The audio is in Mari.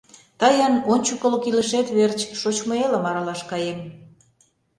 Тыйын ончыкылык илышет верч шочмо элым аралаш каем.